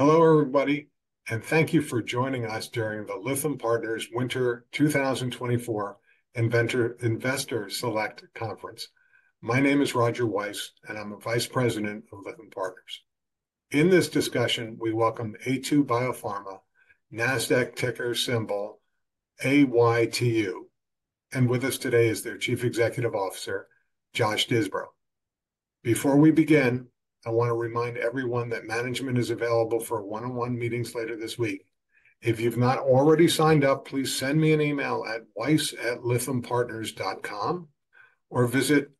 Hello, everybody, and thank you for joining us during the Lytham Partners Winter 2024 Investor Select Conference. My name is Roger Weiss, and I'm a Vice President of Lytham Partners. In this discussion, we welcome Aytu BioPharma, Nasdaq ticker symbol AYTU. With us today is their Chief Executive Officer, Josh Disbrow. Before we begin, I want to remind everyone that management is available for one-on-one meetings later this week. If you've not already signed up, please send me an email at weiss@lythampartners.com or visit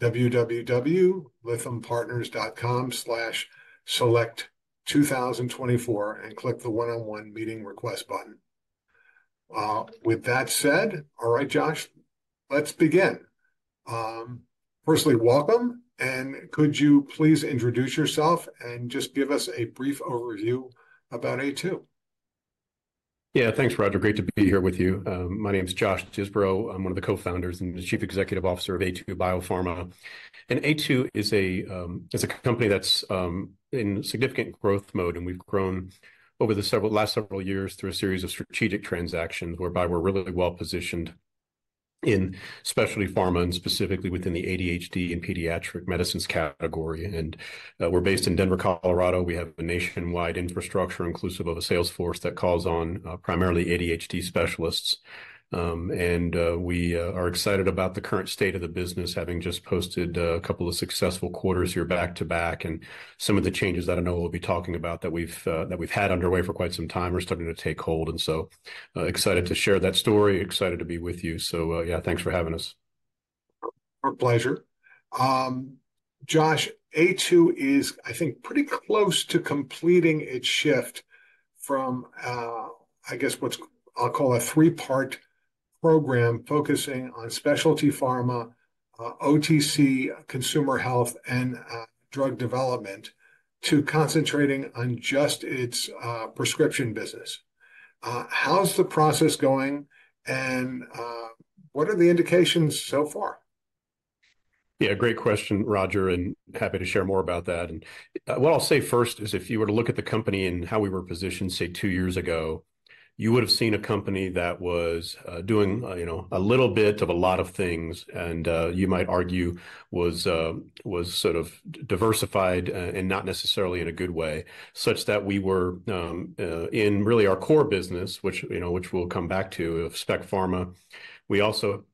www.lythampartners.com/select2024 and click the One-on-One Meeting Request button. With that said, all right, Josh, let's begin. Firstly, welcome, and could you please introduce yourself and just give us a brief overview about Aytu? Yeah. Thanks, Roger. Great to be here with you. My name's Josh Disbrow. I'm one of the co-founders and the Chief Executive Officer of Aytu BioPharma. And Aytu is a company that's in significant growth mode, and we've grown over the last several years through a series of strategic transactions, whereby we're really well-positioned in specialty pharma and specifically within the ADHD and pediatric medicines category. And we're based in Denver, Colorado. We have a nationwide infrastructure, inclusive of a sales force that calls on primarily ADHD specialists. And we are excited about the current state of the business, having just posted a couple of successful quarters here back-to-back. Some of the changes that I know we'll be talking about that we've had underway for quite some time are starting to take hold, and so excited to share that story, excited to be with you. So, yeah, thanks for having us. Our pleasure. Josh, Aytu is, I think, pretty close to completing its shift from, I guess what's... I'll call a three-part program focusing on specialty pharma, OTC consumer health, and, drug development, to concentrating on just its, prescription business. How's the process going, and, what are the indications so far? Yeah, great question, Roger, and happy to share more about that. What I'll say first is, if you were to look at the company and how we were positioned, say, two years ago, you would've seen a company that was doing, you know, a little bit of a lot of things and, you might argue was sort of diversified, and not necessarily in a good way, such that we were in really our core business, which, you know, which we'll come back to, of spec pharma. We also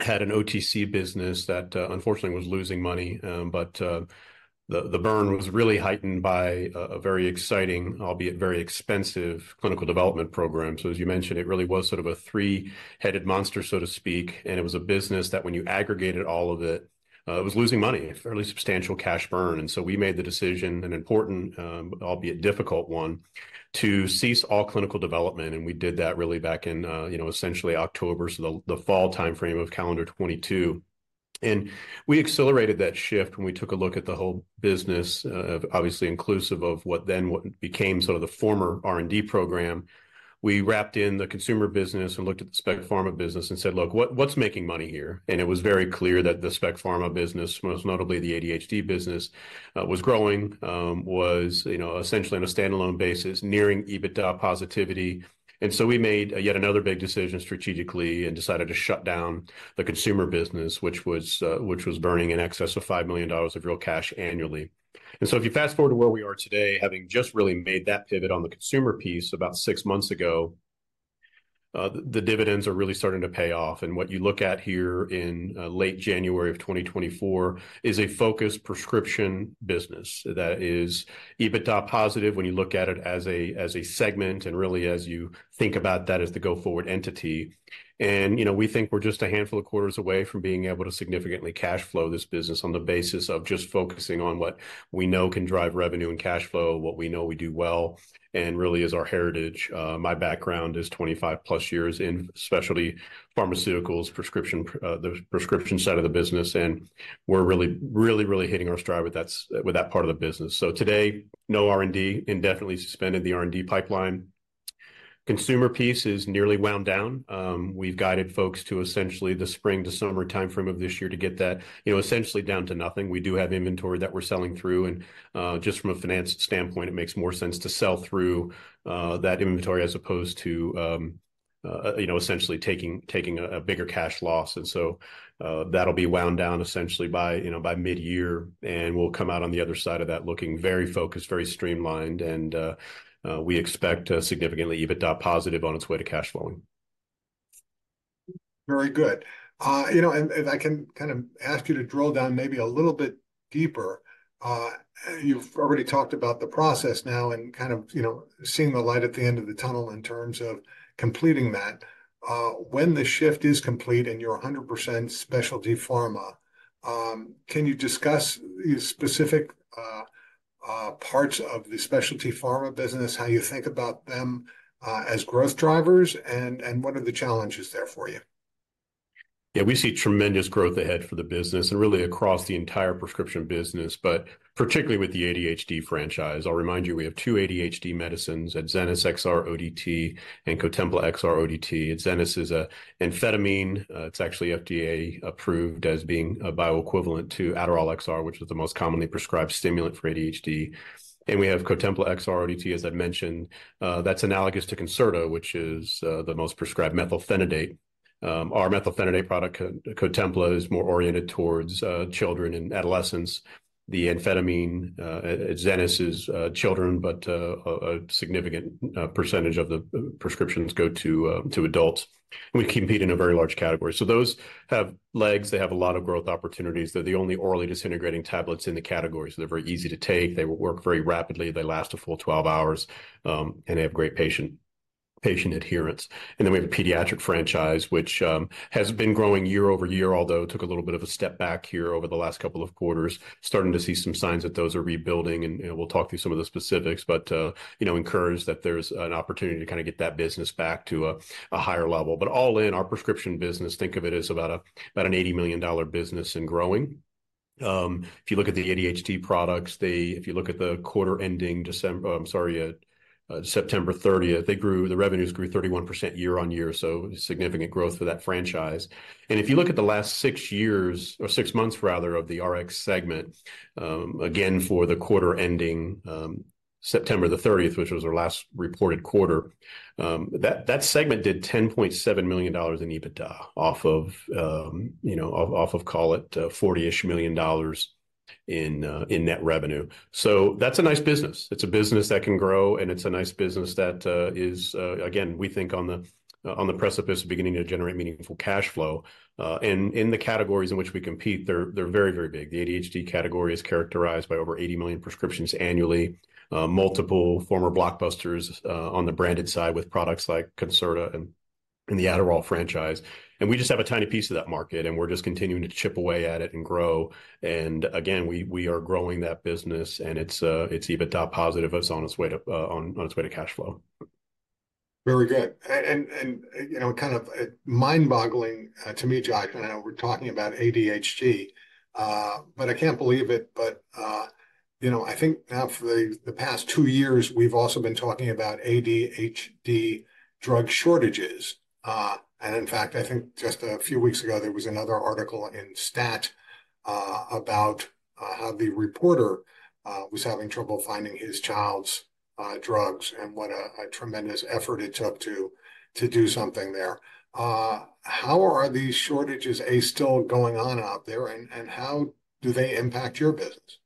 had an OTC business that, unfortunately, was losing money, but the burn was really heightened by a very exciting, albeit very expensive, clinical development program. So as you mentioned, it really was sort of a three-headed monster, so to speak, and it was a business that when you aggregated all of it, it was losing money, a fairly substantial cash burn. And so we made the decision, an important, albeit difficult one, to cease all clinical development, and we did that really back in, you know, essentially October, so the, the fall timeframe of calendar 2022. And we accelerated that shift when we took a look at the whole business, obviously inclusive of what then became sort of the former R&D program. We wrapped in the consumer business and looked at the spec pharma business and said: Look, what, what's making money here? It was very clear that the spec pharma business, most notably the ADHD business, was growing, you know, essentially on a standalone basis, nearing EBITDA positivity. So we made yet another big decision strategically and decided to shut down the consumer business, which was burning in excess of $5 million of real cash annually. So if you fast-forward to where we are today, having just really made that pivot on the consumer piece about six months ago, the dividends are really starting to pay off. What you look at here in late January of 2024 is a focused prescription business that is EBITDA-positive when you look at it as a segment, and really, as you think about that as the go-forward entity. You know, we think we're just a handful of quarters away from being able to significantly cash flow this business on the basis of just focusing on what we know can drive revenue and cash flow, what we know we do well and really is our heritage. My background is 25+ years in specialty pharmaceuticals, the prescription side of the business, and we're really, really, really hitting our stride with that part of the business. So today, no R&D, indefinitely suspended the R&D pipeline. Consumer piece is nearly wound down. We've guided folks to essentially the spring to summer timeframe of this year to get that, you know, essentially down to nothing. We do have inventory that we're selling through, and just from a finance standpoint, it makes more sense to sell through that inventory as opposed to, you know, essentially taking a bigger cash loss. And so, that'll be wound down essentially by, you know, by mid-year, and we'll come out on the other side of that looking very focused, very streamlined, and we expect a significantly EBITDA-positive on its way to cash flowing. Very good. You know, I can kind of ask you to drill down maybe a little bit deeper. You've already talked about the process now and kind of, you know, seeing the light at the end of the tunnel in terms of completing that. When the shift is complete and you're 100% specialty pharma, can you discuss the specific parts of the specialty pharma business, how you think about them, as growth drivers, and what are the challenges there for you? ... Yeah, we see tremendous growth ahead for the business and really across the entire prescription business, but particularly with the ADHD franchise. I'll remind you, we have two ADHD medicines, Adzenys XR-ODT and Cotempla XR-ODT. Adzenys is a amphetamine, it's actually FDA approved as being a bioequivalent to Adderall XR, which is the most commonly prescribed stimulant for ADHD. And we have Cotempla XR-ODT, as I mentioned, that's analogous to Concerta, which is the most prescribed methylphenidate. Our methylphenidate product, Cotempla, is more oriented towards children and adolescents. The amphetamine, Adzenys is children, but a significant percentage of the prescriptions go to adults. We compete in a very large category. So those have legs, they have a lot of growth opportunities. They're the only orally disintegrating tablets in the category, so they're very easy to take, they work very rapidly, they last a full 12 hours, and they have great patient adherence. Then we have a pediatric franchise, which has been growing year-over-year, although it took a little bit of a step back here over the last couple of quarters. Starting to see some signs that those are rebuilding, and, you know, we'll talk through some of the specifics, but, you know, encouraged that there's an opportunity to kind of get that business back to a higher level. But all in our prescription business, think of it as about an $80 million business and growing. If you look at the ADHD products, if you look at the quarter ending December... I'm sorry, September 30th, they grew, the revenues grew 31% year-on-year, so significant growth for that franchise. And if you look at the last six years, or six months rather, of the segment, again, for the quarter ending September 30th, which was our last reported quarter, that segment did $10.7 million in EBITDA off of, you know, off, off of call it 40-ish million dollars in net revenue. So that's a nice business. It's a business that can grow, and it's a nice business that, again, we think on the precipice of beginning to generate meaningful cash flow. And in the categories in which we compete, they're very, very big. The ADHD category is characterized by over 80 million prescriptions annually. Multiple former blockbusters on the branded side with products like Concerta and the Adderall franchise. We just have a tiny piece of that market, and we're just continuing to chip away at it and grow. Again, we are growing that business, and it's EBITDA positive. It's on its way to cash flow. Very good. And you know, kind of mind-boggling to me, Josh, I know we're talking about ADHD, but I can't believe it, but you know, I think now for the past two years, we've also been talking about ADHD drug shortages. And in fact, I think just a few weeks ago, there was another article in STAT about how the reporter was having trouble finding his child's drugs and what a tremendous effort it took to do something there. How are these shortages, A, still going on out there, and how do they impact your business?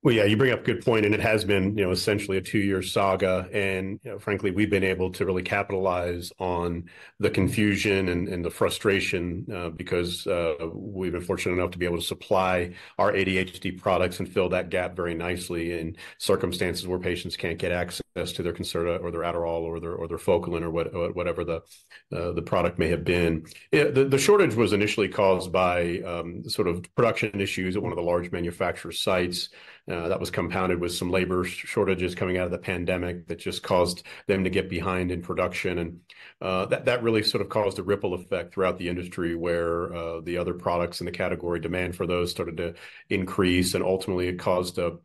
Well, yeah, you bring up a good point, and it has been, you know, essentially a two-year saga. And, you know, frankly, we've been able to really capitalize on the confusion and the frustration, because we've been fortunate enough to be able to supply our ADHD products and fill that gap very nicely in circumstances where patients can't get access to their Concerta, or their Adderall, or their Focalin, or whatever the product may have been. Yeah, the shortage was initially caused by sort of production issues at one of the large manufacturer sites. That was compounded with some labor shortages coming out of the pandemic that just caused them to get behind in production. That really sort of caused a ripple effect throughout the industry, where the other products in the category, demand for those started to increase, and ultimately it caused an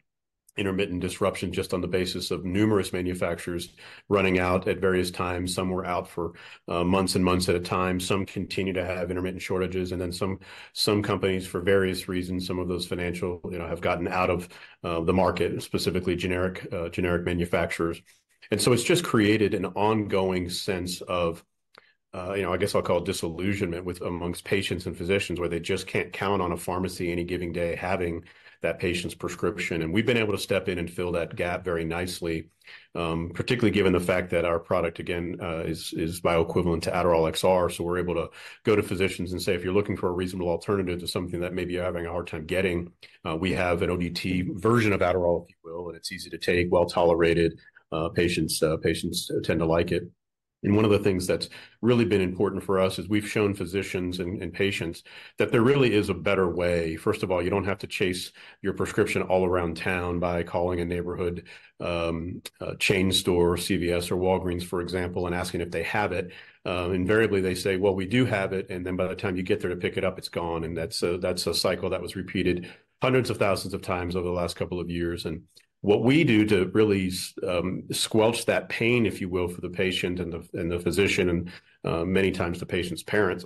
intermittent disruption just on the basis of numerous manufacturers running out at various times. Some were out for months and months at a time. Some continue to have intermittent shortages, and then some companies, for various reasons, some of those financial, you know, have gotten out of the market, specifically generic manufacturers. And so it's just created an ongoing sense of, you know, I guess I'll call it disillusionment amongst patients and physicians, where they just can't count on a pharmacy any given day, having that patient's prescription. We've been able to step in and fill that gap very nicely, particularly given the fact that our product, again, is bioequivalent to Adderall XR. So we're able to go to physicians and say, "If you're looking for a reasonable alternative to something that maybe you're having a hard time getting, we have an ODT version of Adderall," if you will, "and it's easy to take, well-tolerated. Patients tend to like it." One of the things that's really been important for us is we've shown physicians and patients that there really is a better way. First of all, you don't have to chase your prescription all around town by calling a neighborhood, a chain store, CVS or Walgreens, for example, and asking if they have it. Invariably they say, "Well, we do have it," and then by the time you get there to pick it up, it's gone. And that's a cycle that was repeated hundreds of thousands of times over the last couple of years. And what we do to really squelch that pain, if you will, for the patient and the physician and, many times the patient's parents,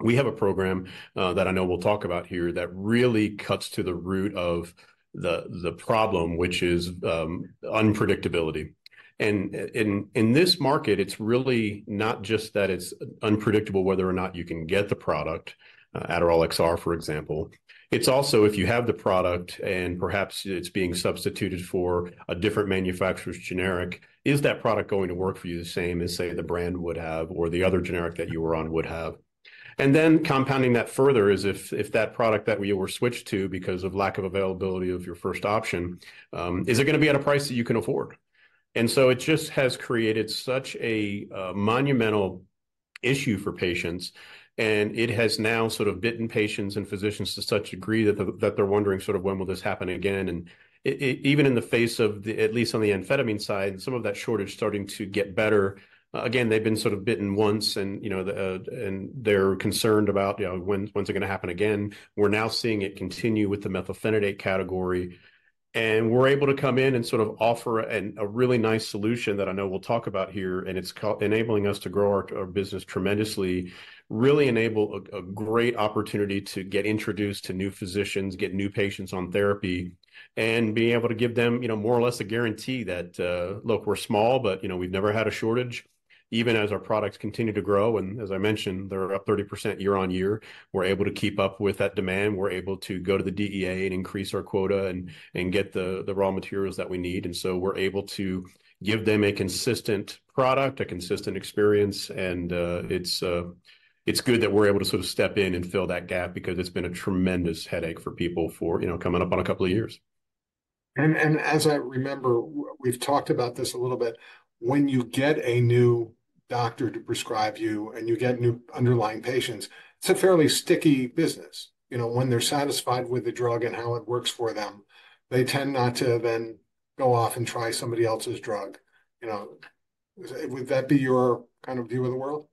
we have a program that I know we'll talk about here that really cuts to the root of the problem, which is unpredictability. And in this market, it's really not just that it's unpredictable whether or not you can get the product, Adderall XR, for example, it's also if you have the product and perhaps it's being substituted for a different manufacturer's generic, is that product going to work for you the same as, say, the brand would have, or the other generic that you were on would have? And then compounding that further is if, if that product that you were switched to because of lack of availability of your first option, is it gonna be at a price that you can afford? And so it just has created such a monumental issue for patients... and it has now sort of bitten patients and physicians to such a degree that they, that they're wondering sort of when will this happen again? Even in the face of the, at least on the amphetamine side, some of that shortage starting to get better. Again, they've been sort of bitten once, and, you know, and they're concerned about, you know, when's it gonna happen again. We're now seeing it continue with the methylphenidate category, and we're able to come in and sort of offer a really nice solution that I know we'll talk about here, and it's enabling us to grow our business tremendously. Really enables a great opportunity to get introduced to new physicians, get new patients on therapy, and being able to give them, you know, more or less a guarantee that, look, we're small, but, you know, we've never had a shortage, even as our products continue to grow. And as I mentioned, they're up 30% year-over-year. We're able to keep up with that demand. We're able to go to the DEA and increase our quota and get the raw materials that we need. And so we're able to give them a consistent product, a consistent experience, and it's good that we're able to sort of step in and fill that gap because it's been a tremendous headache for people for, you know, coming up on a couple of years. And as I remember, we've talked about this a little bit. When you get a new doctor to prescribe you, and you get new underlying patients, it's a fairly sticky business. You know, when they're satisfied with the drug and how it works for them, they tend not to then go off and try somebody else's drug, you know? Would that be your kind of view of the world?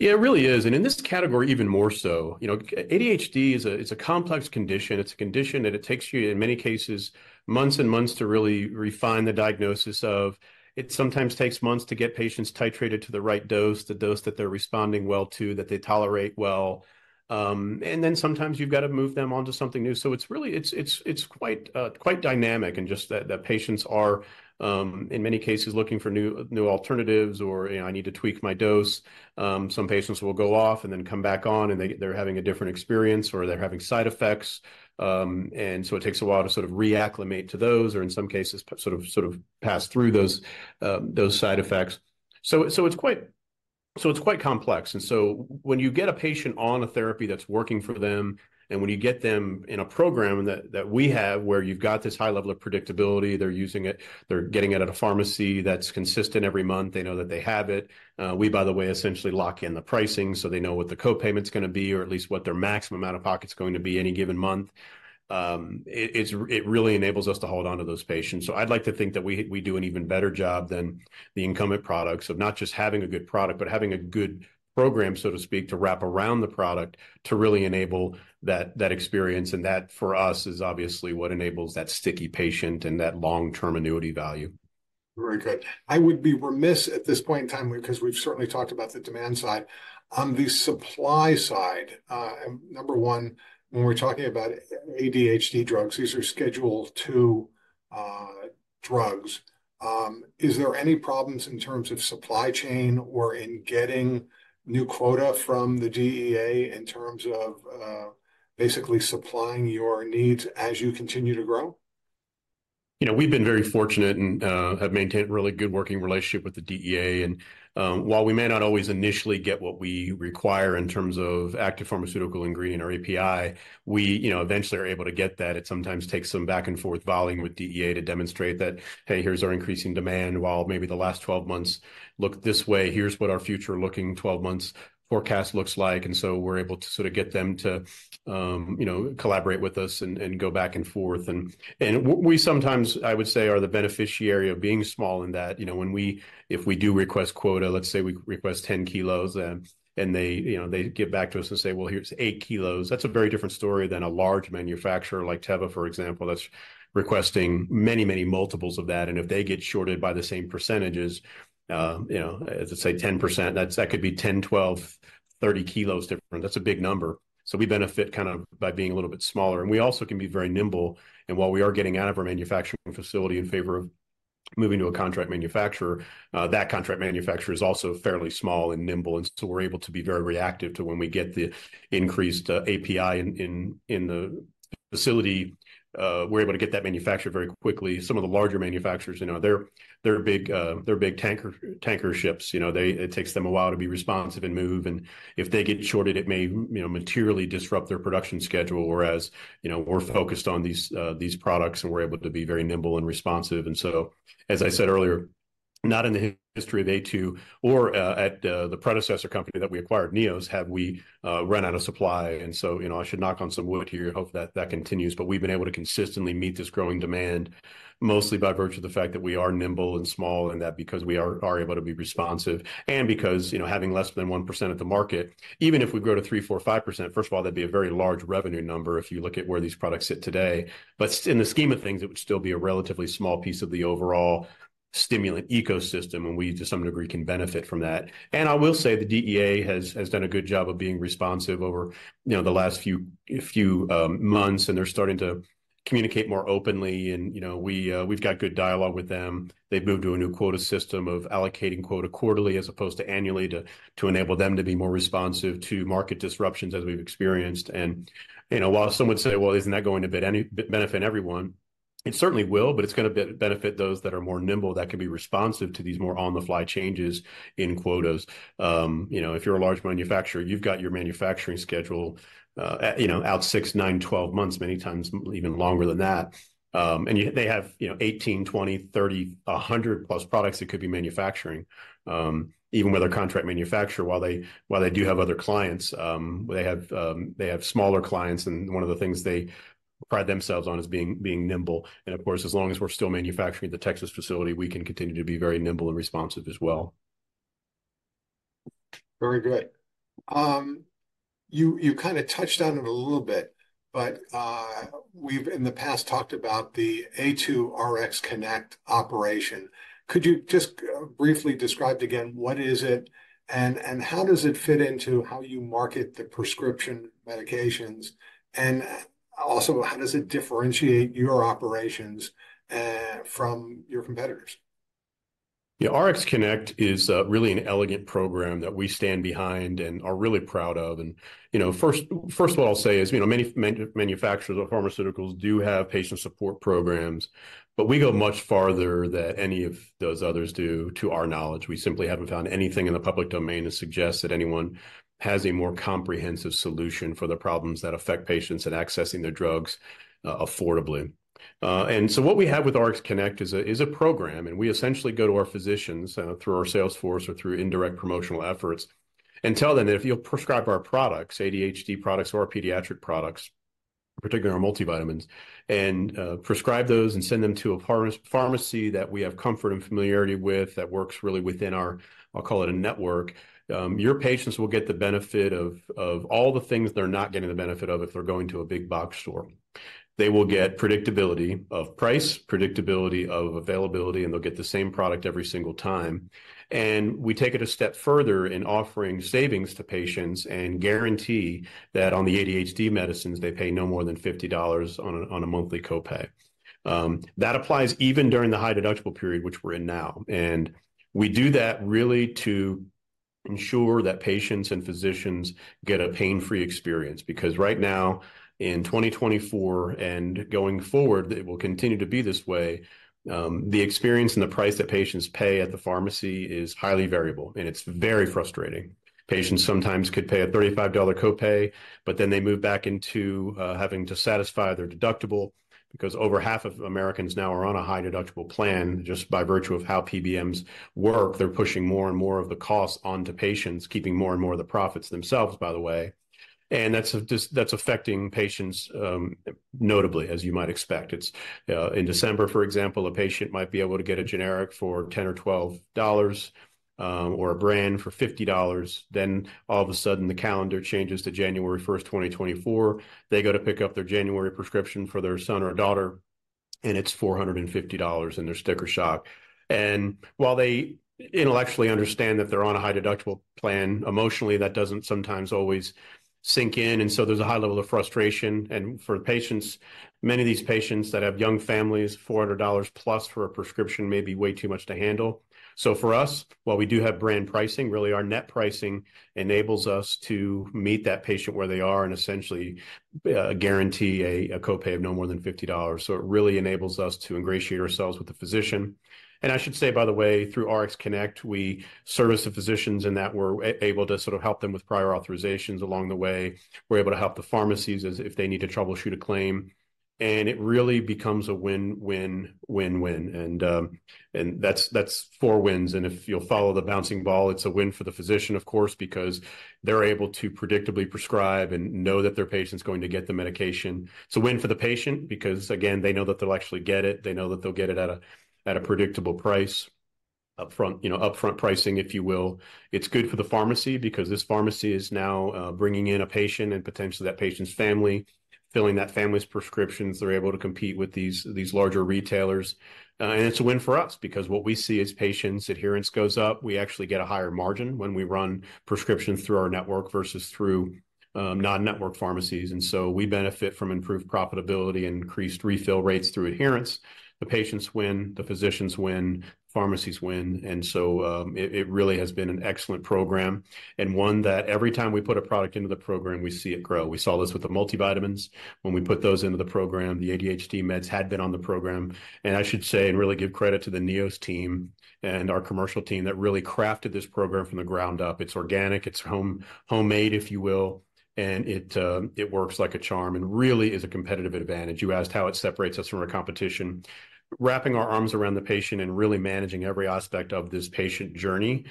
Yeah, it really is, and in this category, even more so. You know, ADHD is a, it's a complex condition. It's a condition that it takes you, in many cases, months and months to really refine the diagnosis of. It sometimes takes months to get patients titrated to the right dose, the dose that they're responding well to, that they tolerate well. And then sometimes you've got to move them onto something new. So it's really, it's quite, quite dynamic, and just that patients are, in many cases, looking for new alternatives or, you know, I need to tweak my dose. Some patients will go off and then come back on, and they, they're having a different experience, or they're having side effects. And so it takes a while to sort of reacclimate to those, or in some cases, sort of pass through those side effects. So it's quite complex. And so when you get a patient on a therapy that's working for them, and when you get them in a program that we have where you've got this high level of predictability, they're using it, they're getting it at a pharmacy that's consistent every month. They know that they have it. We, by the way, essentially lock in the pricing, so they know what the co-payment's gonna be, or at least what their maximum out-of-pocket's going to be any given month. It really enables us to hold on to those patients. So I'd like to think that we do an even better job than the incumbent products of not just having a good product, but having a good program, so to speak, to wrap around the product, to really enable that experience. And that, for us, is obviously what enables that sticky patient and that long-term annuity value. Very good. I would be remiss at this point in time, because we've certainly talked about the demand side. On the supply side, number one, when we're talking about ADHD drugs, these are Schedule II drugs. Is there any problems in terms of supply chain or in getting new quota from the DEA in terms of, basically supplying your needs as you continue to grow? You know, we've been very fortunate and have maintained a really good working relationship with the DEA. And, while we may not always initially get what we require in terms of active pharmaceutical ingredient, or API, we, you know, eventually are able to get that. It sometimes takes some back-and-forth volleying with DEA to demonstrate that, "Hey, here's our increasing demand. While maybe the last 12 months looked this way, here's what our future-looking 12 months forecast looks like." And so we're able to sort of get them to, you know, collaborate with us and, and we sometimes, I would say, are the beneficiary of being small in that. You know, when we, if we do request quota, let's say we request 10 kilos, and they, you know, they get back to us and say, "Well, here's 8 kilos," that's a very different story than a large manufacturer like Teva, for example, that's requesting many, many multiples of that. And if they get shorted by the same percentages, you know, as I say, 10%, that could be 10, 12, 30 kilos different. That's a big number. So we benefit kind of by being a little bit smaller, and we also can be very nimble. And while we are getting out of our manufacturing facility in favor of moving to a contract manufacturer, that contract manufacturer is also fairly small and nimble. And so we're able to be very reactive to when we get the increased API in the facility. We're able to get that manufactured very quickly. Some of the larger manufacturers, you know, they're big tanker ships. You know, it takes them a while to be responsive and move, and if they get shorted, it may, you know, materially disrupt their production schedule, whereas, you know, we're focused on these products, and we're able to be very nimble and responsive. And so, as I said earlier, not in the history of Aytu or at the predecessor company that we acquired, Neos, have we run out of supply. And so, you know, I should knock on some wood here and hope that that continues. But we've been able to consistently meet this growing demand, mostly by virtue of the fact that we are nimble and small, and that because we are able to be responsive and because, you know, having less than 1% of the market, even if we grow to 3%, 4%, 5%, first of all, that'd be a very large revenue number if you look at where these products sit today. But in the scheme of things, it would still be a relatively small piece of the overall stimulant ecosystem, and we, to some degree, can benefit from that. And I will say the DEA has done a good job of being responsive over, you know, the last few months, and they're starting to communicate more openly. And, you know, we've got good dialogue with them. They've moved to a new quota system of allocating quota quarterly as opposed to annually, to enable them to be more responsive to market disruptions as we've experienced. And, you know, while some would say, "Well, isn't that going to benefit everyone?" It certainly will, but it's gonna benefit those that are more nimble, that can be responsive to these more on-the-fly changes in quotas. You know, if you're a large manufacturer, you've got your manufacturing schedule, you know, out six, nine, 12 months, many times even longer than that. And yet they have, you know, 18, 20, 30, 100+ products that could be manufacturing. Even with a contract manufacturer, while they do have other clients, they have smaller clients, and one of the things they pride themselves on as being nimble. Of course, as long as we're still manufacturing at the Texas facility, we can continue to be very nimble and responsive as well. Very good. You kind of touched on it a little bit, but we've in the past talked about the Aytu Connect operation. Could you just briefly describe again, what is it, and how does it fit into how you market the prescription medications? And also, how does it differentiate your operations from your competitors? Yeah, Connect is really an elegant program that we stand behind and are really proud of. You know, first what I'll say is, you know, many manufacturers of pharmaceuticals do have patient support programs, but we go much farther than any of those others do, to our knowledge. We simply haven't found anything in the public domain that suggests that anyone has a more comprehensive solution for the problems that affect patients in accessing their drugs affordably. And so what we have with Connect is a program, and we essentially go to our physicians through our sales force or through indirect promotional efforts, and tell them that if you'll prescribe our products, ADHD products or our pediatric products, particularly our multivitamins, and prescribe those and send them to a pharmacy that we have comfort and familiarity with, that works really within our, I'll call it a network, your patients will get the benefit of all the things they're not getting the benefit of if they're going to a big-box store. They will get predictability of price, predictability of availability, and they'll get the same product every single time. We take it a step further in offering savings to patients and guarantee that on the ADHD medicines, they pay no more than $50 on a monthly co-pay. That applies even during the high-deductible period, which we're in now, and we do that really to ensure that patients and physicians get a pain-free experience. Because right now, in 2024 and going forward, it will continue to be this way, the experience and the price that patients pay at the pharmacy is highly variable, and it's very frustrating. Patients sometimes could pay a $35 co-pay, but then they move back into having to satisfy their deductible, because over half of Americans now are on a high-deductible plan. Just by virtue of how PBMs work, they're pushing more and more of the costs onto patients, keeping more and more of the profits themselves, by the way, and that's affecting patients, notably, as you might expect. It's in December, for example, a patient might be able to get a generic for $10 or $12, or a brand for $50. Then all of a sudden, the calendar changes to January 1st, 2024. They go to pick up their January prescription for their son or daughter, and it's $450, and they're sticker shock. And while they intellectually understand that they're on a high-deductible plan, emotionally, that doesn't sometimes always sink in, and so there's a high level of frustration. For the patients, many of these patients that have young families, $400+ for a prescription may be way too much to handle. For us, while we do have brand pricing, really our net pricing enables us to meet that patient where they are and essentially guarantee a co-pay of no more than $50. It really enables us to ingratiate ourselves with the physician. I should say, by the way, through RxConnect, we service the physicians, in that we're able to sort of help them with prior authorizations along the way. We're able to help the pharmacies if they need to troubleshoot a claim, and it really becomes a win, win, win, win. That's four wins, and if you'll follow the bouncing ball, it's a win for the physician, of course, because they're able to predictably prescribe and know that their patient's going to get the medication. It's a win for the patient, because, again, they know that they'll actually get it. They know that they'll get it at a predictable price, upfront, you know, upfront pricing, if you will. It's good for the pharmacy because this pharmacy is now bringing in a patient and potentially that patient's family, filling that family's prescriptions. They're able to compete with these larger retailers. And it's a win for us because what we see is patient adherence goes up. We actually get a higher margin when we run prescriptions through our network versus through non-network pharmacies, and so we benefit from improved profitability and increased refill rates through adherence. The patients win, the physicians win, pharmacies win, and so it really has been an excellent program and one that every time we put a product into the program, we see it grow. We saw this with the multivitamins when we put those into the program. The ADHD meds had been on the program, and I should say, and really give credit to the Neos team and our commercial team that really crafted this program from the ground up. It's organic, it's homemade, if you will, and it works like a charm and really is a competitive advantage. You asked how it separates us from the competition. Wrapping our arms around the patient and really managing every aspect of this patient journey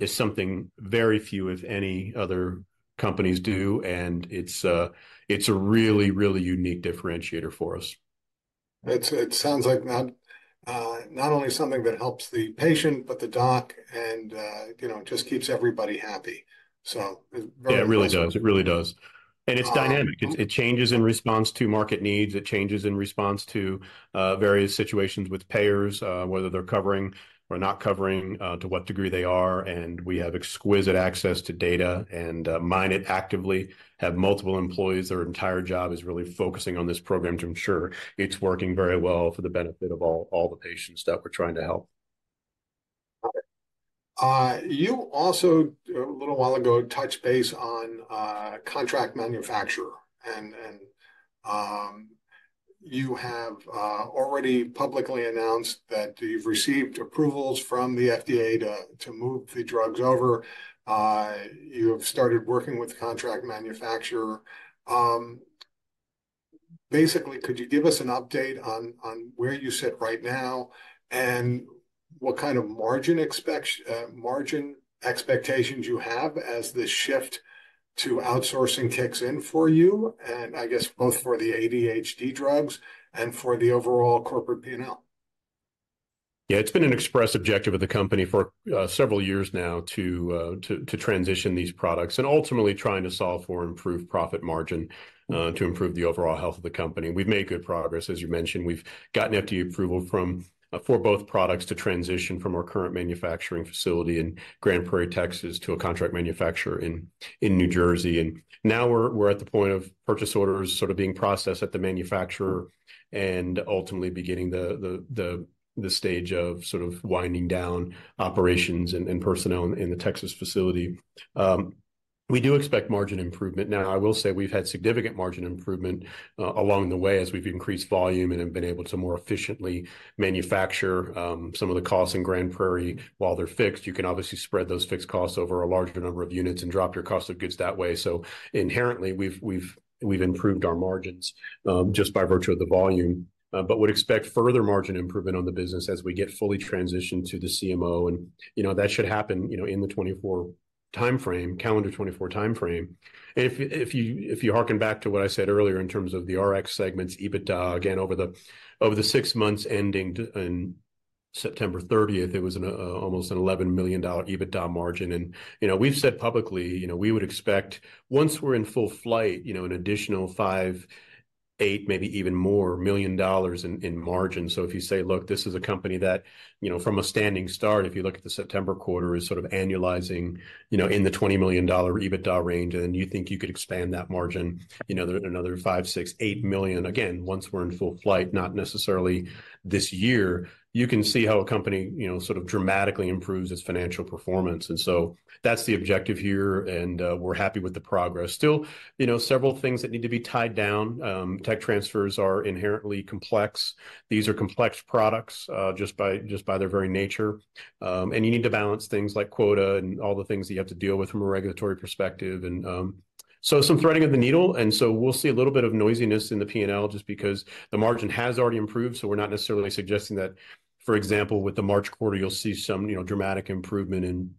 is something very few, if any, other companies do, and it's, it's a really, really unique differentiator for us. It sounds like not only something that helps the patient, but the doc and, you know, it just keeps everybody happy. So very- Yeah, it really does. It really does. Um- And it's dynamic. It changes in response to market needs. It changes in response to various situations with payers, whether they're covering or not covering, to what degree they are. And we have exquisite access to data and mine it actively, have multiple employees. Their entire job is really focusing on this program to ensure it's working very well for the benefit of all, all the patients that we're trying to help. You also, a little while ago, touched base on contract manufacturer, and you have already publicly announced that you've received approvals from the FDA to move the drugs over. You have started working with the contract manufacturer. Basically, could you give us an update on where you sit right now and what kind of margin expectations you have as this shift to outsourcing kicks in for you, and I guess both for the ADHD drugs and for the overall corporate P&L? Yeah, it's been an express objective of the company for several years now to transition these products and ultimately trying to solve for improved profit margin to improve the overall health of the company. We've made good progress. As you mentioned, we've gotten FDA approval for both products to transition from our current manufacturing facility in Grand Prairie, Texas, to a contract manufacturer in New Jersey. And now we're at the point of purchase orders sort of being processed at the manufacturer and ultimately beginning the stage of sort of winding down operations and personnel in the Texas facility. We do expect margin improvement. Now, I will say we've had significant margin improvement along the way as we've increased volume and have been able to more efficiently manufacture some of the costs in Grand Prairie. While they're fixed, you can obviously spread those fixed costs over a larger number of units and drop your cost of goods that way. So inherently, we've improved our margins just by virtue of the volume, but would expect further margin improvement on the business as we get fully transitioned to the CMO. And, you know, that should happen, you know, in the 2024 timeframe, calendar 2024 timeframe. And if you harken back to what I said earlier in terms of the RX segment's EBITDA, again, over the six months ending in September 30, it was almost an $11 million EBITDA margin. You know, we've said publicly, you know, we would expect once we're in full flight, you know, an additional $5-$8 million, maybe even more in margin. So if you say, "Look, this is a company that, you know, from a standing start, if you look at the September quarter, is sort of annualizing, you know, in the $20 million EBITDA range," and you think you could expand that margin, you know, another $5-$8 million. Again, once we're in full flight, not necessarily this year, you can see how a company, you know, sort of dramatically improves its financial performance. And so that's the objective here, and we're happy with the progress. Still, you know, several things that need to be tied down. Tech transfers are inherently complex. These are complex products, just by, just by their very nature, and you need to balance things like quota and all the things that you have to deal with from a regulatory perspective. And, so some threading of the needle, and so we'll see a little bit of noisiness in the P&L just because the margin has already improved. So we're not necessarily suggesting that, for example, with the March quarter, you'll see some, you know, dramatic improvement in,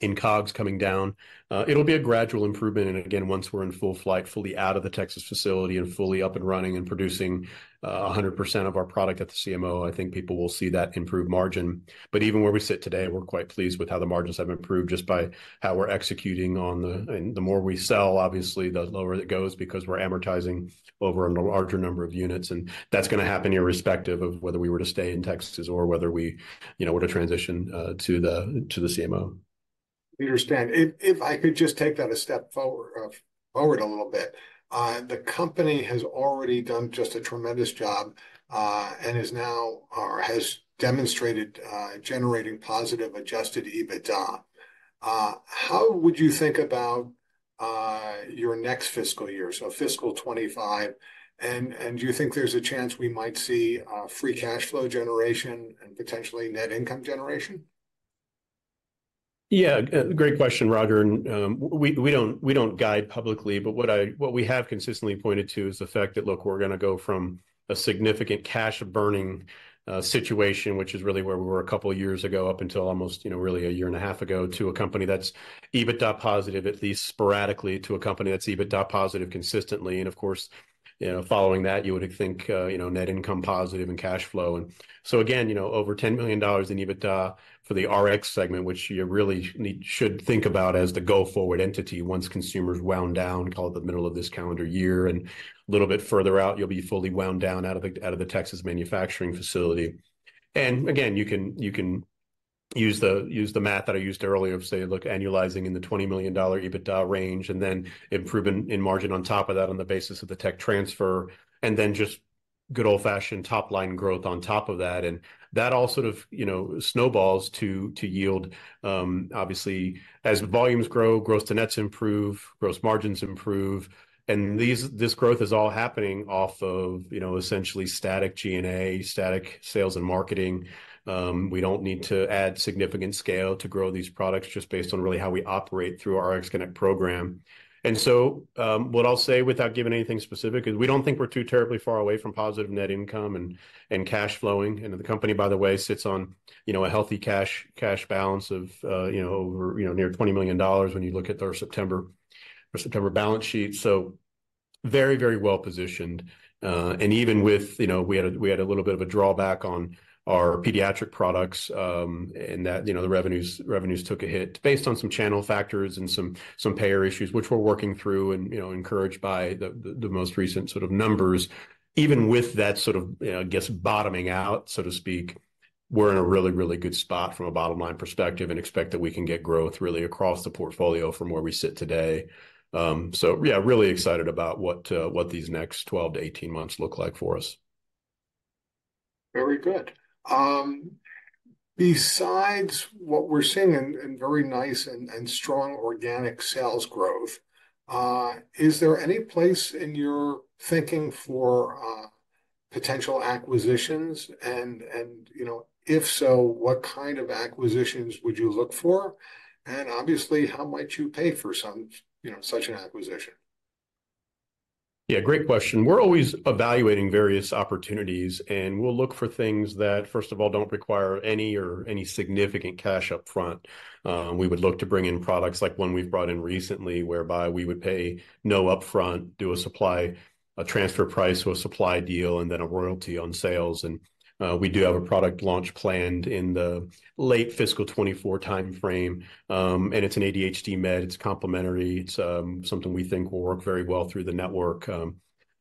in COGS coming down. It'll be a gradual improvement, and again, once we're in full flight, fully out of the Texas facility and fully up and running and producing, 100% of our product at the CMO, I think people will see that improved margin. But even where we sit today, we're quite pleased with how the margins have improved just by how we're executing on the... And the more we sell, obviously, the lower it goes because we're amortizing over a larger number of units. And that's gonna happen irrespective of whether we were to stay in Texas or whether we, you know, were to transition to the, to the CMO. We understand. If I could just take that a step forward, forward a little bit. The company has already done just a tremendous job, and is now, or has demonstrated, generating positive adjusted EBITDA. How would you think about your next fiscal year, so fiscal 2025, and do you think there's a chance we might see free cash flow generation and potentially net income generation? Yeah, great question, Roger, and we don't guide publicly, but what we have consistently pointed to is the fact that, look, we're gonna go from a significant cash burning situation, which is really where we were a couple of years ago, up until almost, you know, really a year and a half ago, to a company that's EBITDA positive, at least sporadically, to a company that's EBITDA positive consistently. And of course, you know, following that, you would think, you know, net income positive and cash flow. And so again, you know, over $10 million in EBITDA for the RX segment, which you really should think about as the go-forward entity once consumer's wound down, call it the middle of this calendar year, and a little bit further out, you'll be fully wound down out of the, out of the Texas manufacturing facility. And again, you can, you can use the, use the math that I used earlier of, say, look, annualizing in the $20 million EBITDA range, and then improvement in margin on top of that on the basis of the tech transfer, and then just good old-fashioned top-line growth on top of that. And that all sort of, you know, snowballs to, to yield, obviously, as volumes grow, gross to nets improve, gross margins improve, and these- this growth is all happening off of, you know, essentially static G&A, static sales and marketing. We don't need to add significant scale to grow these products just based on really how we operate through our RxConnect program. And so, what I'll say, without giving anything specific, is we don't think we're too terribly far away from positive net income and, and cash flowing. And the company, by the way, sits on, you know, a healthy cash, cash balance of, you know, over, you know, near $20 million when you look at our September, our September balance sheet. So very, very well-positioned. And even with, you know, we had a little bit of a drawback on our pediatric products, and that, you know, the revenues took a hit based on some channel factors and some payer issues, which we're working through and, you know, encouraged by the most recent sort of numbers. Even with that sort of, I guess, bottoming out, so to speak, we're in a really, really good spot from a bottom line perspective and expect that we can get growth really across the portfolio from where we sit today. So yeah, really excited about what these next 12-18 months look like for us. Very good. Besides what we're seeing in very nice and strong organic sales growth, is there any place in your thinking for potential acquisitions? And, you know, if so, what kind of acquisitions would you look for? And obviously, how might you pay for some, you know, such an acquisition? ... Yeah, great question. We're always evaluating various opportunities, and we'll look for things that, first of all, don't require any or significant cash upfront. We would look to bring in products like one we've brought in recently, whereby we would pay no upfront, do a supply, a transfer price or a supply deal, and then a royalty on sales. And we do have a product launch planned in the late fiscal 2024 timeframe. And it's an ADHD med. It's complementary. It's something we think will work very well through the network,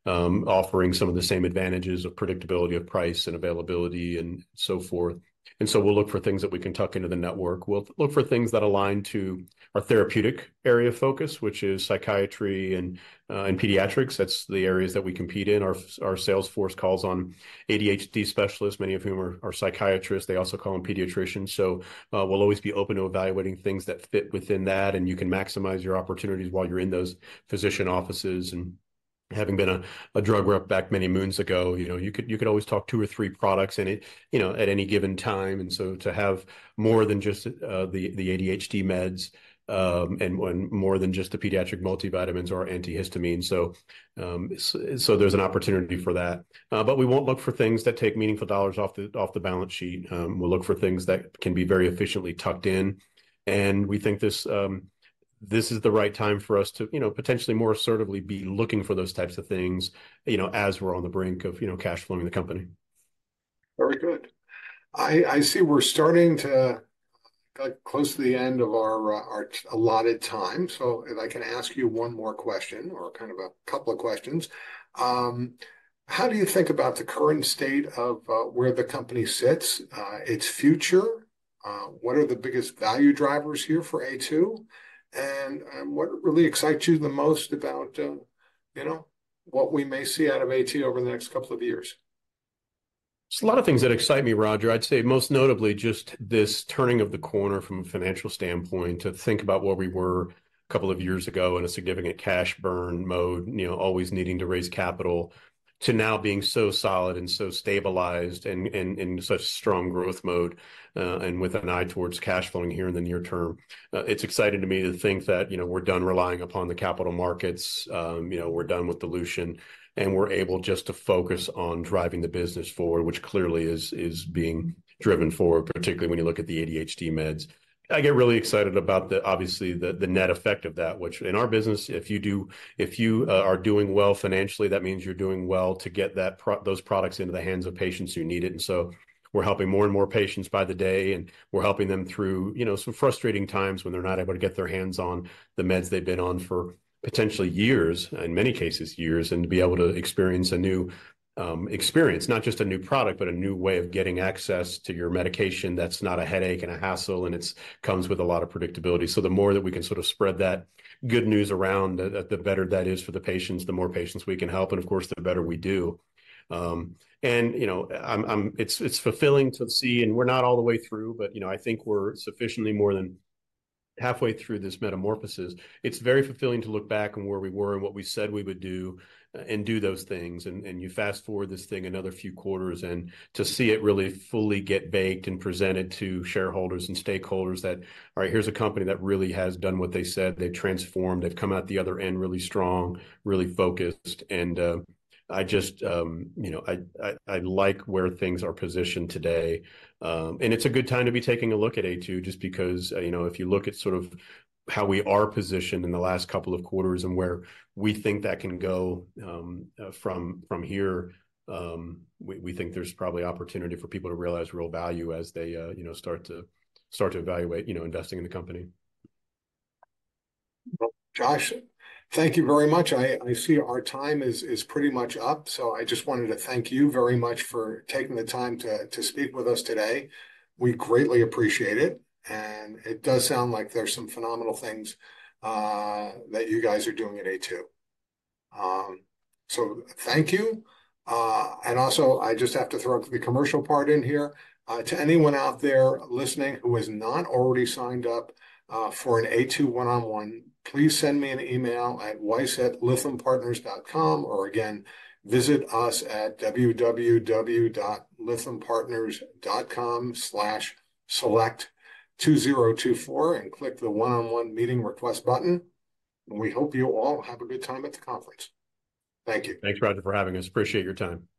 offering some of the same advantages of predictability, of price and availability and so forth. And so we'll look for things that we can tuck into the network. We'll look for things that align to our therapeutic area of focus, which is psychiatry and pediatrics. That's the areas that we compete in. Our sales force calls on ADHD specialists, many of whom are psychiatrists. They also call in pediatricians. So, we'll always be open to evaluating things that fit within that, and you can maximize your opportunities while you're in those physician offices. And having been a drug rep back many moons ago, you know, you could always talk two or three products in it, you know, at any given time, and so to have more than just the ADHD meds, and when more than just the pediatric multivitamins or antihistamine. So, so there's an opportunity for that. But we won't look for things that take meaningful dollars off the balance sheet. We'll look for things that can be very efficiently tucked in, and we think this, this is the right time for us to, you know, potentially more assertively be looking for those types of things, you know, as we're on the brink of, you know, cash flowing the company. Very good. I see we're starting to, like, close to the end of our allotted time. So if I can ask you one more question or kind of a couple of questions. How do you think about the current state of where the company sits, its future? What are the biggest value drivers here for Aytu? And, what really excites you the most about, you know, what we may see out of Aytu over the next couple of years? There's a lot of things that excite me, Roger. I'd say most notably, just this turning of the corner from a financial standpoint, to think about where we were a couple of years ago in a significant cash burn mode, you know, always needing to raise capital, to now being so solid and so stabilized and, and in such strong growth mode, and with an eye towards cash flowing here in the near term. It's exciting to me to think that, you know, we're done relying upon the capital markets. You know, we're done with dilution, and we're able just to focus on driving the business forward, which clearly is, is being driven forward, particularly when you look at the ADHD meds. I get really excited about obviously, the net effect of that, which in our business, if you are doing well financially, that means you're doing well to get those products into the hands of patients who need it. And so we're helping more and more patients by the day, and we're helping them through, you know, some frustrating times when they're not able to get their hands on the meds they've been on for potentially years, in many cases, years. And to be able to experience a new experience, not just a new product, but a new way of getting access to your medication, that's not a headache and a hassle, and it comes with a lot of predictability. So the more that we can sort of spread that good news around, the better that is for the patients, the more patients we can help, and of course, the better we do. And you know, it's fulfilling to see, and we're not all the way through, but you know, I think we're sufficiently more than halfway through this metamorphosis. It's very fulfilling to look back on where we were and what we said we would do, and do those things. You fast-forward this thing another few quarters and to see it really fully get baked and presented to shareholders and stakeholders, that all right, here's a company that really has done what they said. They've transformed. They've come out the other end really strong, really focused, and I just, you know, I like where things are positioned today. And it's a good time to be taking a look at Aytu just because, you know, if you look at sort of how we are positioned in the last couple of quarters and where we think that can go, from here, we think there's probably opportunity for people to realize real value as they, you know, start to evaluate investing in the company. Well, Josh, thank you very much. I see our time is pretty much up. So I just wanted to thank you very much for taking the time to speak with us today. We greatly appreciate it, and it does sound like there's some phenomenal things that you guys are doing at Aytu. So thank you. And also, I just have to throw the commercial part in here. To anyone out there listening who has not already signed up for an Aytu one-on-one, please send me an email at weiss@lythampartners.com, or again, visit us at www.lythampartners.com/select2024, and click the One-on-One Meeting Request button, and we hope you all have a good time at the conference. Thank you. Thanks, Roger, for having us. Appreciate your time.